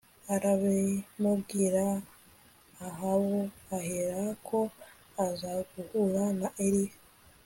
arabimubwira Ahabu aherako aza guhura na Eliya